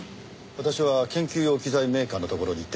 私は研究用機材メーカーの所に行ってました。